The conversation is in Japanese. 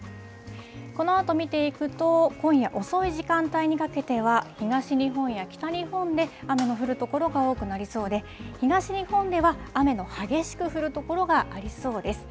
このあと見ていくと、今夜遅い時間帯にかけては、東日本や北日本で雨の降る所が多くなりそうで、東日本では雨の激しく降る所がありそうです。